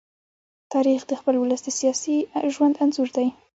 تاریخ د خپل ولس د سیاسي ژوند انځور دی.